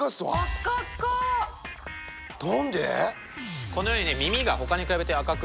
何で！？